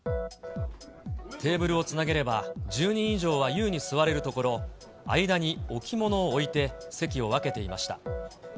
テーブルをつなげれば、１０人以上はゆうに座れるところ、間に置物を置いて、席を分けていました。